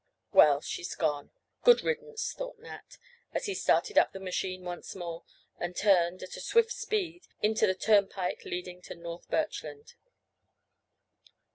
"Well, she's gone—good riddance," thought Nat, as he started up the machine once more, and turned, at a swift speed, into the turnpike leading to North Birchland.